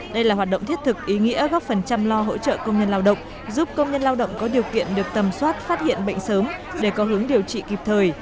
đây là hoạt động thiết thực ý nghĩa góp phần chăm lo hỗ trợ công nhân lao động giúp công nhân lao động có điều kiện được tầm soát phát hiện bệnh sớm để có hướng điều trị kịp thời